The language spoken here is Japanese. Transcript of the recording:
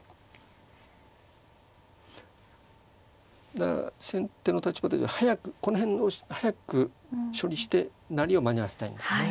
だから先手の立場というか早くこの辺を早く処理して成りを間に合わせたいんですね。